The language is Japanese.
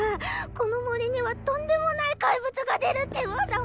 この森にはとんでもない怪物が出るって噂も。